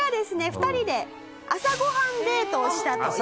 ２人で朝ご飯デートをしたという事なんです。